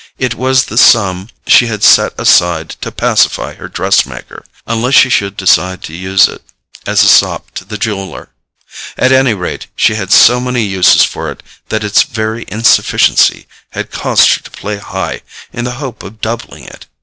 It was the sum she had set aside to pacify her dress maker—unless she should decide to use it as a sop to the jeweller. At any rate, she had so many uses for it that its very insufficiency had caused her to play high in the hope of doubling it.